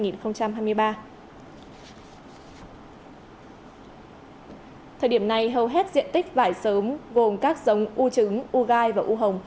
thời điểm này hầu hết diện tích vải sớm gồm các giống u trứng u gai và u hồng